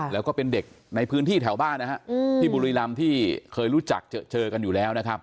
แล้วก็เป็นเด็กในพื้นที่แถวบ้านนะฮะที่บุรีรำที่เคยรู้จักเจอกันอยู่แล้วนะครับ